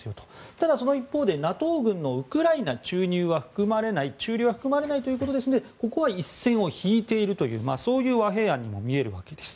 ただその一方でＮＡＴＯ軍のウクライナ駐留は含まれないということですのでここは一線を引いているというそういう和平案にも見えるわけです。